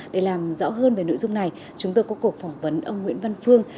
để làm rõ hơn về nội dung này chúng tôi có cuộc phỏng vấn ông nguyễn văn phương